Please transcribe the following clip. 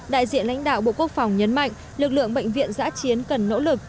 đại diện lãnh đạo bộ quốc phòng nhấn mạnh lực lượng bệnh viện giã chiến cần nỗ lực